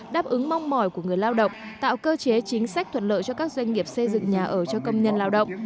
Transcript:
đáp ứng mong mỏi của người lao động tạo cơ chế chính sách thuận lợi cho các doanh nghiệp xây dựng nhà ở cho công nhân lao động